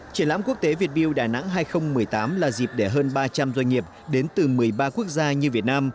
triển lãm quốc tế việt build đà nẵng hai nghìn một mươi tám là dịp để hơn ba trăm linh doanh nghiệp đến từ một mươi ba quốc gia như việt nam